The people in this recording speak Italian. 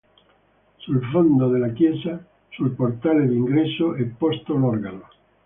Sul fondo della chiesa, sul portale d'ingresso è posto l'organo.